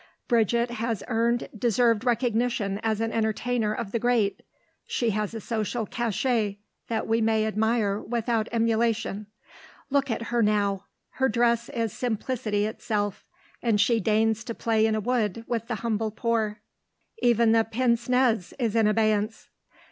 Bridget has earned deserved recognition as an entertainer of the great; she has a social cachet that we may admire without emulation. Look at her now; her dress is simplicity itself, and she deigns to play in a wood with the humble poor. Even the pince nez is in abeyance.